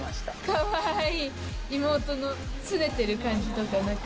かわいい！